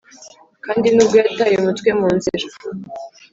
kandi nubwo yataye umutwe mu nzira,